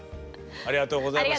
ありがとうございます。